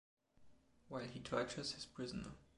While he tortures his prisoner.